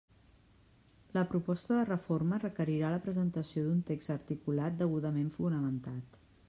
La proposta de reforma requerirà la presentació d'un text articulat degudament fonamentat.